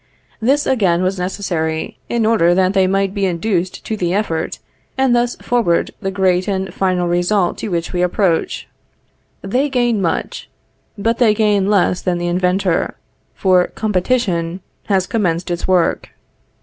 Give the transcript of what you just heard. This again was necessary, in order that they might be induced to the effort, and thus forward the great and final result to which we approach. They gain much; but they gain less than the inventor, for competition has commenced its work.